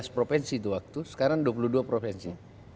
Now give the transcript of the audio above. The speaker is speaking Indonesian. provinsi itu waktu sekarang dua puluh dua provinsi